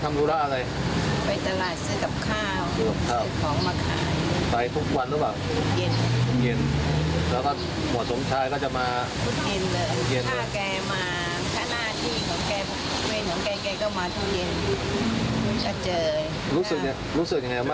มาช่วยเหลือ